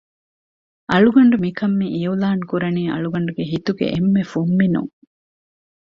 އަޅުގަނޑު މިކަން މިއިއުލާންކުރަނީ އަޅުގަނޑުގެ ހިތުގެ އެންމެ ފުންމިނުން